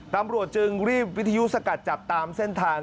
ตำรวจจึงรีบวิทยุสกัดจับตามเส้นทาง